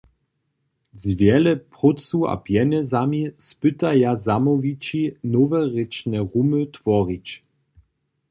Z wjele prócu a pjenjezami spytaja zamołwići nowe rěčne rumy tworić.